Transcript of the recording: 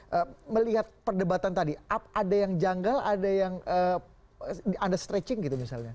bagaimana melihat perdebatan tadi ada yang janggal ada yang anda stretching gitu misalnya